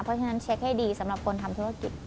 เพราะฉะนั้นเช็คให้ดีสำหรับคนทำธุรกิจ